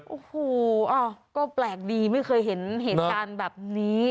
โอ้โหก็แปลกดีไม่เคยเห็นเหตุการณ์แบบนี้